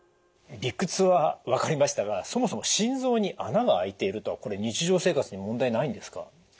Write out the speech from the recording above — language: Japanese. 理屈は分かりましたがそもそも心臓に孔が開いているとこれ日常生活に問題ないんですか？